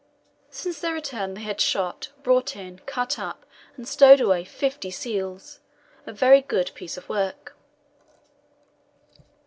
Since their return they had shot, brought in, cut up, and stowed away, fifty seals a very good piece of work.